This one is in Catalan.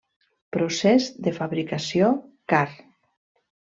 Procés de fabricació car.